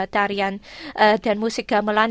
tarian dan musik gamelan